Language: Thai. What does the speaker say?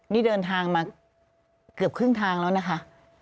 นี่เดินทางมาเกือบครึ่งทางแล้วนะคะ